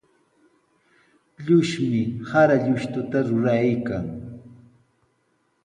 Llushumi sara llushtuta ruraykan.